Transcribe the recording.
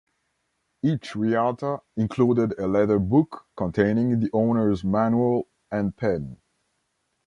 Each Reatta included a leather book containing the owner's manual and pen.